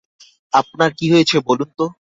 আপনার কী হয়েছে বলুন তো?